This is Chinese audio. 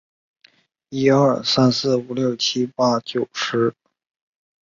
世界上最早的中等教育学校产生于文艺复兴时期的欧洲。